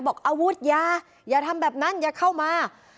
บอกอาวุธอย่าอย่าทำแบบนั้นอย่าเข้ามา